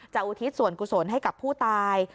อุทิศส่วนกุศลให้กับผู้ตาย